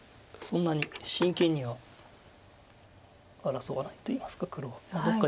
そんなに真剣には争わないといいますか黒は。